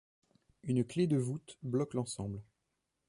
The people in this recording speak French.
Une clé de voûte bloque l'ensemble.